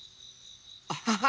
アハハ。